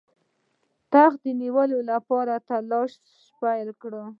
تخت د نیولو لپاره تلاښ پیل کړ.